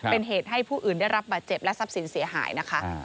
เป็นเหตุให้ผู้อื่นได้รับบาดเจ็บและทรัพย์สินเสียหายนะคะ